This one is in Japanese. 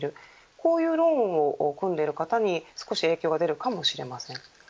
こういうローンを組んでいる方に少し影響が出るかもしれません。